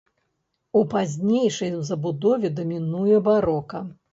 У пазнейшай забудове дамінуе барока.